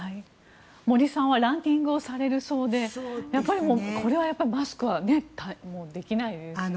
森さんはランニングをされるそうでやっぱりこれはマスクはできないですよね。